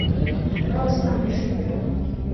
Rose amefika.